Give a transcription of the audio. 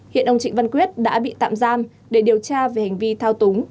hiện ông trịnh văn quyết đã bị tạm giam để điều tra về hành vi thao túng